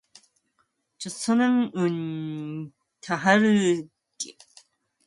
최선을 다할게.